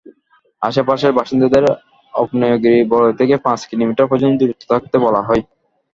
আশপাশের বাসিন্দাদের আগ্নেয়গিরির বলয় থেকে পাঁচ কিলোমিটার পর্যন্ত দূরত্বে থাকতে বলা হয়।